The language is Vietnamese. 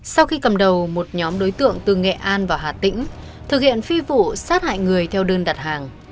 sau khi cầm đầu một nhóm đối tượng từ nghệ an vào hà tĩnh thực hiện phi vụ sát hại người theo đơn đặt hàng